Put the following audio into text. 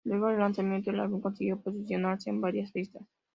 Luego del lanzamiento, el álbum consiguió posicionarse en varias listas.